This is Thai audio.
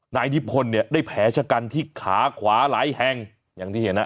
นายนิพนธ์เนี่ยได้แผลชะกันที่ขาขวาหลายแห่งอย่างที่เห็นอ่ะ